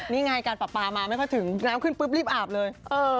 นี่ไงการปรับปลามาไม่ค่อยถึงน้ำขึ้นปุ๊บรีบอาบเลย